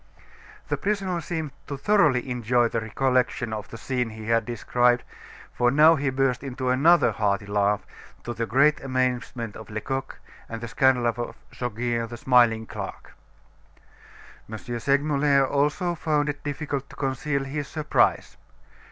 '" The prisoner seemed to thoroughly enjoy the recollection of the scene he had described, for he now burst into another hearty laugh, to the great amazement of Lecoq, and the scandal of Goguet, the smiling clerk. M. Segmuller also found it difficult to conceal his surprise.